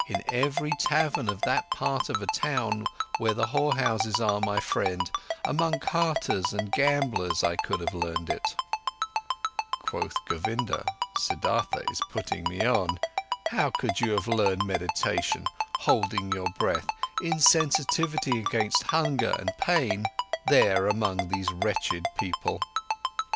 In every tavern of that part of a town where the whorehouses are, my friend, among carters and gamblers I could have learned it." Quoth Govinda: "Siddhartha is putting me on. How could you have learned meditation, holding your breath, insensitivity against hunger and pain there among these wretched people?"